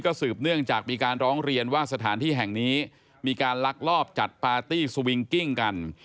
สืบเนื่องจากมีการร้องเรียนว่าสถานที่แห่งนี้มีการลักลอบจัดปาร์ตี้สวิงกิ้งกัน